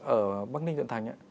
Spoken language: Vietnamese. ở bắc ninh thuận thành